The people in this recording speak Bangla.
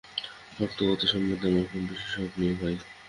শক্ত কথা সম্বন্ধে আমার খুব বেশি শখ নেই ভাই!